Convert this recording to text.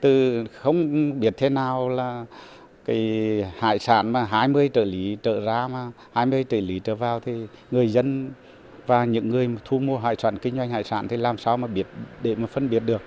từ không biết thế nào là cái hải sản mà hai mươi trợ lý trở ra mà hai mươi trợ lý trở vào thì người dân và những người thu mua hải sản kinh doanh hải sản thì làm sao mà biết để mà phân biệt được